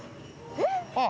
えっ？